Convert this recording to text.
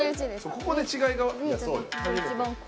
ここで違いが。